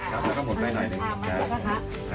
จับแล้วก็หมดไปหน่อย